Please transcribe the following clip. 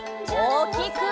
おおきく！